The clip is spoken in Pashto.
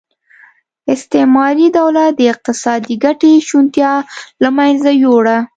استعماري دولت د اقتصادي ګټې شونتیا له منځه یووړه.